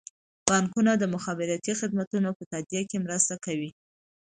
بانکونه د مخابراتي خدمتونو په تادیه کې مرسته کوي.